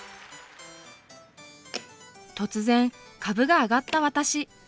突然株が上がった私。